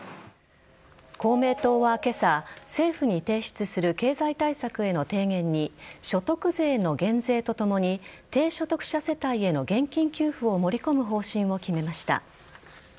公明党は今朝政府に提出する経済対策への提言に所得税の減税とともに低所得者世帯への現金給付を盛り込む方針を決めました。